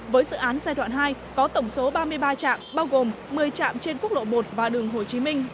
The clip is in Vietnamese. với dự án giai đoạn hai có tổng số ba mươi ba trạm bao gồm một mươi trạm trên quốc lộ một và đường hồ chí minh